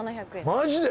マジで！？